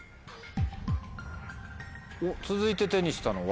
おっ続いて手にしたのは？